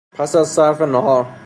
پس از صرف ناهار